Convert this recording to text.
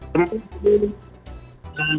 dan juga erupsi vulkanik